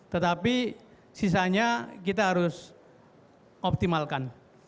tetapi sisanya kita harus optimalkan